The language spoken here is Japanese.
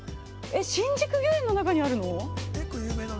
新宿御苑の中にあるの！？